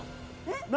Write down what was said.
「何？